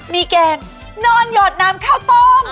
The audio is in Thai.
มีเกล็งโน่นหยดนามข้าวต้ม